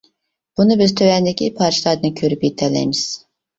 بۇنى بىز تۆۋەندىكى پارچىلاردىن كۆرۈپ يىتەلەيمىز.